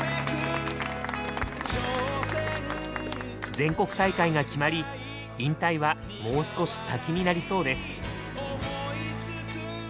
全国大会が決まり引退はもう少し先になりそうです。